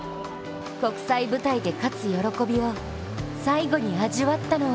国際舞台で勝つ喜びを最後に味わったのは